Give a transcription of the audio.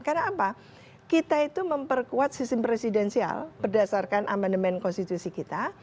karena apa kita itu memperkuat sistem presidensial berdasarkan amendement konstitusi kita